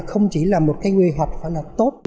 không chỉ là một cái quy hoạch phải là tốt